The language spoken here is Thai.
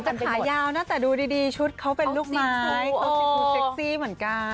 เหมือนจะขายาวนะแต่ดูดีชุดเขาเป็นลูกไม้เขาสิ่งสูงเซ็กซี่เหมือนกัน